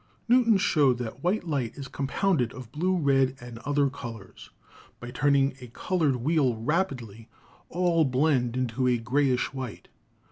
" Newton showed that white light is compounded of blue, red, and other colors ; by turning a colored wheel rapidly all blend into a grayish white.